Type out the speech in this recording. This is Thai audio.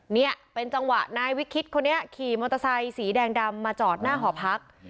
เนี่ยเป็นจังหวะนายวิคิตคนนี้ขี่มอเตอร์ไซค์สีแดงดำมาจอดหน้าหอพัก